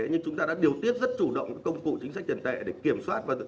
nhưng chúng ta đã điều tiết rất chủ động công cụ chính sách tiền tệ để kiểm soát